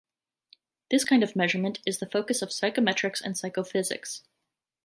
This kind of measurement is the focus of psychometrics and psychophysics.